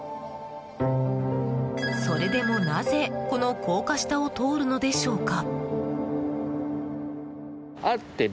それでもなぜこの高架下を通るのでしょうか？